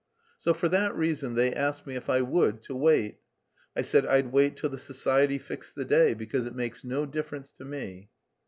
So for that reason they asked me, if I would, to wait. I said I'd wait till the society fixed the day, because it makes no difference to me."